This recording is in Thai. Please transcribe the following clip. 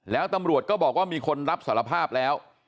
แล้วตำรวจก็บอกว่ามีคนรับสารภาพแล้ว